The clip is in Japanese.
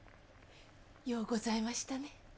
ようございましたね。